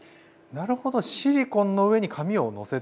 なるほどシリコンの上に紙をのせて。